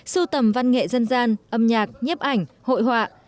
sưu tầm văn nghệ dân gian âm nhạc nhiếp ảnh hội họa